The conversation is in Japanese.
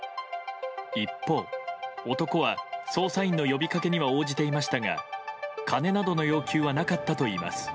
一方、男は捜査員の呼びかけには応じていましたが金などの要求はなかったといいます。